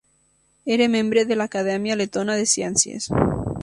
Era membre de l'Acadèmia Letona de Ciències.